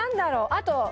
あと。